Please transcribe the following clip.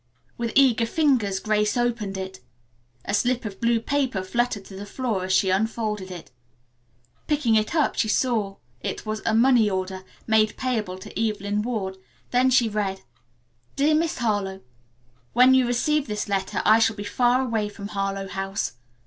With eager fingers Grace opened it. A slip of blue paper fluttered to the floor as she unfolded it. Picking it up she saw it was a money order made payable to Evelyn Ward, then she read: "DEAR MISS HARLOWE: "When you receive this letter I shall be far away from Harlowe House.